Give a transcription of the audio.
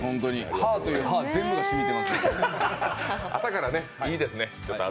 歯という歯、全部がしみています。